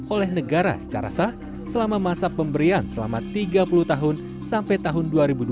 oleh negara secara sah selama masa pemberian selama tiga puluh tahun sampai tahun dua ribu dua puluh